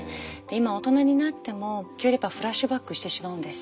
今大人になっても急にフラッシュバックしてしまうんです。